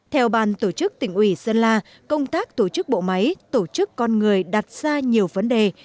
theo ban tổ chức tỉnh ủy sơn la công tác tổ chức bộ máy tổ chức con người đặt ra nhiều vấn đề